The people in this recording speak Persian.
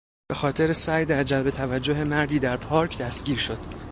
به خاطر سعی در جلب توجه مردی در پارک دستگیر شد.